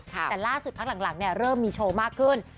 แต่ล่าสุดพักหลังเริ่มมีโชว์มากขึ้น